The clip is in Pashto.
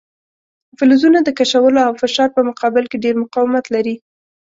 فلزونه د کشولو او فشار په مقابل کې ډیر مقاومت لري.